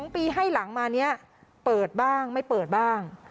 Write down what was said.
๒ปีให้หลังมานี้เปิดบ้างไม่เปิดบ้าง